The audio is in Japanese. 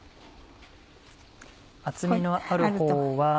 厚みのあるほうは。